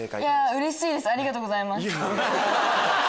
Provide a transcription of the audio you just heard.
うれしいです！